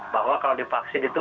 bahwa kalau dipaksin itu